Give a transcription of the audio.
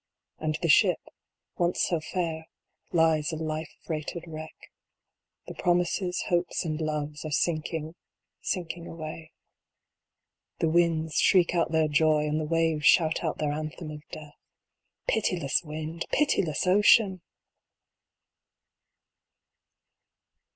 And the Ship, once so fair, lies a life freighted wreck. The Promises, Hopes, and Loves, are sinking, sinking away. The winds shriek out their joy, and the waves shout out their anthem of Death. Pitiless wind ! Pitiless ocean